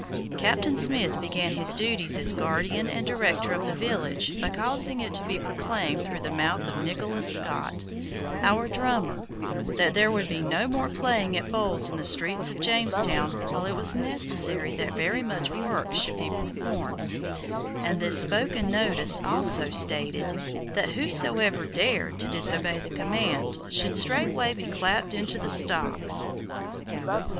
Captain Smith began his duties as guardian and director of the village by causing it to be proclaimed through the mouth of Nicholas Skot, our drummer, that there would be no more playing at bowls in the streets of Jamestown while it was necessary that very much work should be performed, and this spoken notice also stated, that whosoever dared to disobey the command should straightway be clapped into the stocks.